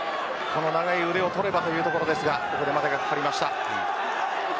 この長い腕を取ればというところですが待てがかかりました。